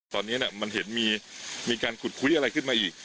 ตอนนี้มันเห็นมีการขุดคุยอะไรขึ้นมาอีก